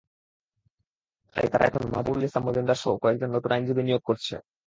তাই তারা এখন মাহবুবুল ইসলাম মজুমদারসহ কয়েকজন নতুন আইনজীবী নিয়োগ করছে।